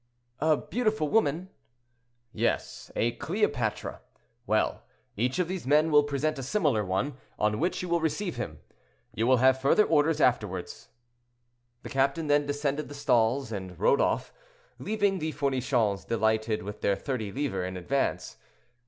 "A beautiful woman." "Yes; a Cleopatra. Well, each of these men will present a similar one, on which you will receive him. You will have further orders afterward." The captain then descended the stall's and rode off, leaving the Fournichons delighted with their thirty livres in advance.